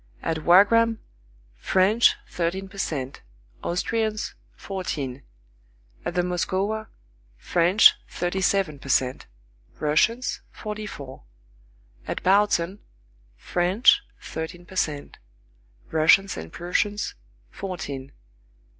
At Wagram, French, thirteen per cent; Austrians, fourteen. At the Moskowa, French, thirty seven per cent; Russians, forty four. At Bautzen, French, thirteen per cent; Russians and Prussians, fourteen.